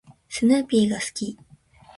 スヌーピーが好き。